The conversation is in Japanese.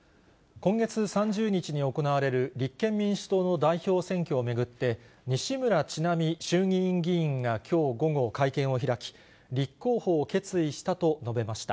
今月３０日に行われる立憲民主党の代表選挙を巡って、西村智奈美衆議院議員がきょう午後、会見を開き、立候補を決意したと述べました。